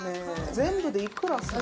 全部でいくらする